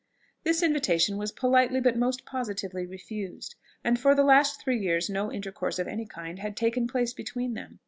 This invitation was politely but most positively refused, and for the last three years no intercourse of any kind had taken place between them.